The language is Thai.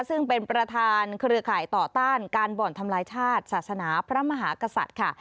ซึ่งเป็นประธานเครือข่ายต่อต้านการบ่อนทำลายชาติศาสนาพระมหากษัตริย์ค่ะ